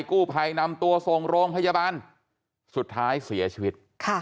กู้ภัยนำตัวส่งโรงพยาบาลสุดท้ายเสียชีวิต